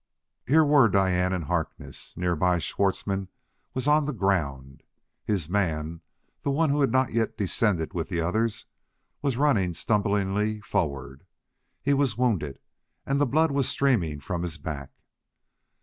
Here were Diane and Harkness! Nearby Schwartzmann was on the ground! His man the one who had not yet descended with the others was running stumblingly forward. He was wounded, and the blood was streaming from his back.